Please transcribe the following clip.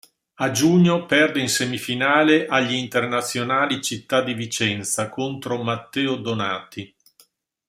A giugno perde in semifinale agli Internazionali Città di Vicenza contro Matteo Donati.